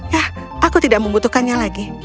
yah aku tidak membutuhkannya lagi